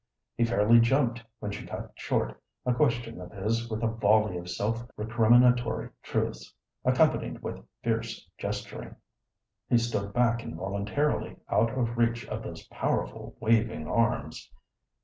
He fairly jumped when she cut short a question of his with a volley of self recriminatory truths, accompanied with fierce gesturing. He stood back involuntarily out of reach of those powerful, waving arms.